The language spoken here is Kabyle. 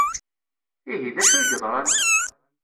Ihi, d acu ay yeḍran?